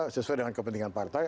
sesuai dengan kepentingan partai